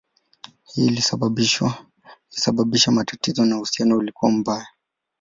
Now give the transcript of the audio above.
Hii ilisababisha matatizo na uhusiano ulikuwa mbaya.